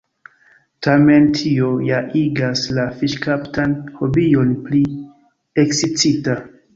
Tamen tio ja igas la fiŝkaptan hobion pli ekscita!